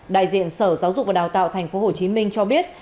đại diện sở giáo dục và đào tạo tp hcm cho biết